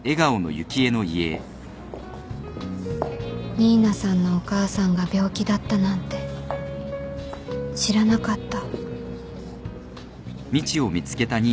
新名さんのお母さんが病気だったなんて知らなかった